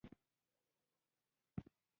بیا داسې راځې خمچۍ ګوتې ته يې لاس ونیو.